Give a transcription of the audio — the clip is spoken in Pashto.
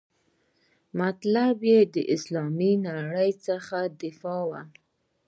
مطلب یې د اسلامي نړۍ څخه دفاع وه.